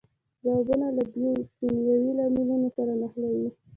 ځوابونه له بیوکیمیاوي لاملونو سره نښلوي.